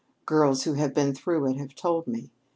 Girls who have been through it have told me.